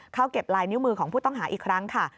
เก็บลายนิ้วมือของผู้ต้องหาอีกครั้งค่ะ